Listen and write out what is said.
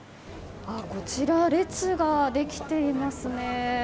こちら列ができていますね。